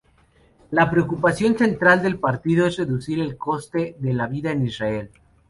La preocupación central del partido es reducir el coste de la vida en Israel.